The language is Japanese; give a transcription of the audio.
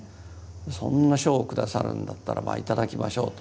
そんな賞を下さるんだったらまあ頂きましょうと。